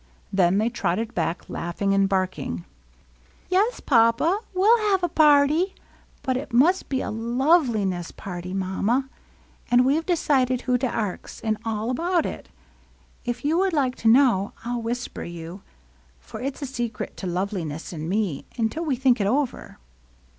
Then they trotted back, laughing and barking. " Yes, Papa, we '11 have a party. But it must be a Zoi^eliness party. Mamma. And we Ve decided who to arx, and all about it. If you would like to know, I '11 whisper you, for it 's a secret to Loveli ness and me, until we think it over."